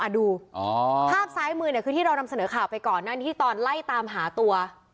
ดูภาพซ้ายมือเนี่ยคือที่เรานำเสนอข่าวไปก่อนหน้านี้ที่ตอนไล่ตามหาตัว